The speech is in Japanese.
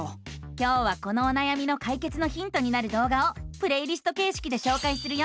今日はこのおなやみのかいけつのヒントになる動画をプレイリストけいしきでしょうかいするよ！